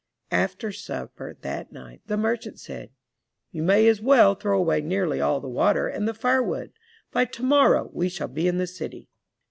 After supper that night the merchant said: ''You may as well throw away nearly all the water and the firewood. By to morrow we shall be in the city.